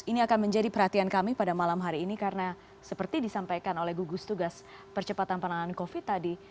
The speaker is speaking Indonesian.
ini akan menjadi perhatian kami pada malam hari ini karena seperti disampaikan oleh gugus tugas percepatan penanganan covid tadi